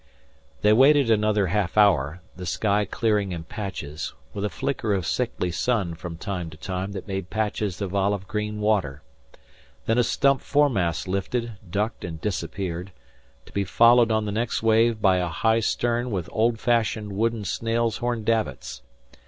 They waited yet another half hour, the sky clearing in patches, with a flicker of sickly sun from time to time that made patches of olive green water. Then a stump foremast lifted, ducked, and disappeared, to be followed on the next wave by a high stern with old fashioned wooden snail's horn davits.